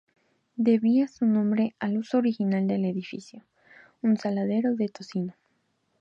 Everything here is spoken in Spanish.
Debía su nombre al uso original del edificio, un saladero de tocino.